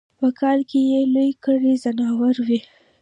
په کاله کی یې لوی کړي ځناور وي